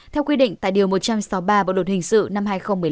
theo quy định tại điều một trăm sáu mươi ba bộ luật hình sự năm hai nghìn một mươi năm